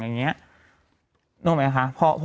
นึกว่ามั้ยคะ